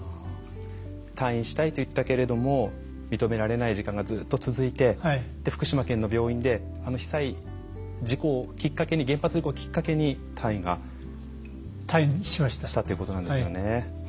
退院をしたいと言ったけども認められない時間がずっと続いて福島県の病院で被災原発事故をきっかけに退院したということなんですね。